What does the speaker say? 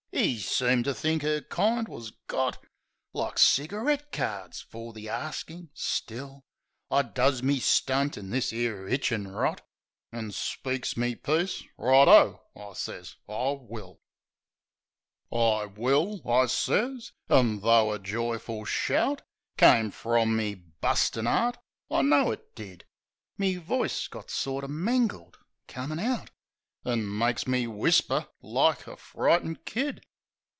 'E seemed to think 'er kind was got Like cigarette cards, fer the arstin'. Still, I does me stunt in this 'ere hitchin' rot, An' speaks me piece: "Righto!" I sez, "I will." "I will," I sez. An' tho' a joyful shout Come from me bustin' 'eart — I know it did — Me voice got sorter mangled comin' out. An' makes me whisper like a frightened kid.